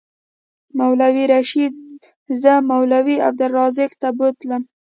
مولوي رشید زه مولوي عبدالرزاق ته بوتلم.